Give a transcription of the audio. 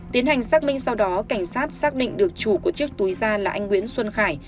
tiến hành xác minh sau đó cảnh sát xác định được chủ của chiếc túi ra là anh nguyễn xuân khải